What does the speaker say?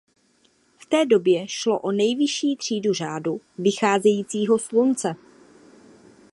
V té době šlo o nejvyšší třídu Řádu vycházejícího slunce.